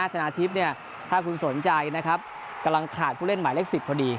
ธนาธิปถ้าคุณสนใจกำลังขาดผู้เล่นหมายเล็ก๑๐พอดี